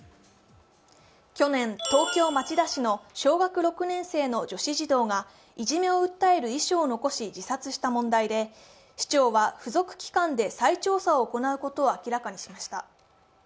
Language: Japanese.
去年、東京・町田市の小学６年生の女子児童がいじめを訴える遺書を残し自殺した問題で、市長は付属機関で再調査を行うことを明らかにしました。